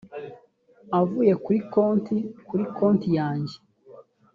avuye kuri konti kuri konti yanjye